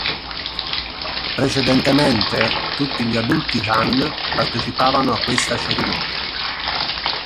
Precedentemente, tutti gli adulti Han partecipavano a questa cerimonia.